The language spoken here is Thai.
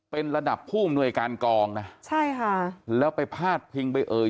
เป็นระดับผู้อำนวยการกองนะใช่ค่ะแล้วไปพาดพิงไปเอ่ย